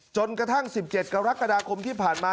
จนกระทั่ง๑๗กรกฎาคมที่ผ่านมา